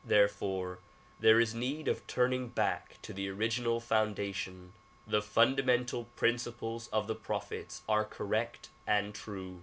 Therefore there is need of turning back to the original founda tion. The fundamental principles of the prophets are correct and true.